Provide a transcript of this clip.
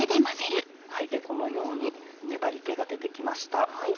このように粘り気が出て来ました。